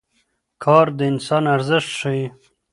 کار د انسان ارزښت ښيي.